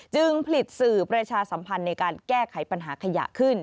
ผลิตสื่อประชาสัมพันธ์ในการแก้ไขปัญหาขยะขึ้น